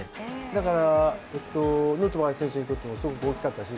だからヌートバー選手にとってもすごく大きかったし。